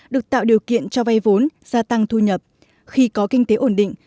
được tạo điều kiện cho vay vốn gia tăng thu nhập khi có kinh tế ổn định